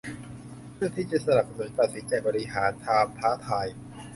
เพื่อที่จะสนับสนุนตัดสินใจบริหารความท้าทาย